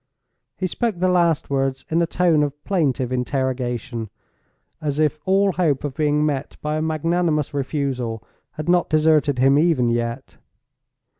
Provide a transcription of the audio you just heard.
He spoke the last words in a tone of plaintive interrogation—as if all hope of being met by a magnanimous refusal had not deserted him even yet.